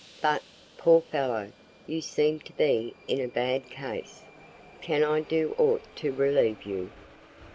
But, poor fellow, you seem to be in a bad case. Can I do aught to relieve you?"